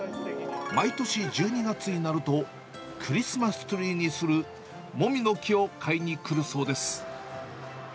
毎年１２月になると、クリスマスツリーにするもみの木を買いに来るそうです。